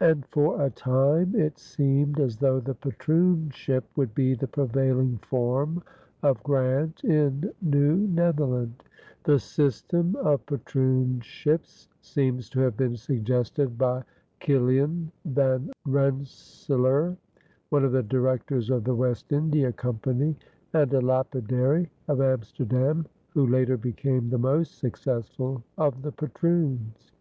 And for a time it seemed as though the patroonship would be the prevailing form of grant in New Netherland. The system of patroonships seems to have been suggested by Kiliaen Van Rensselaer, one of the directors of the West India Company and a lapidary of Amsterdam, who later became the most successful of the patroons.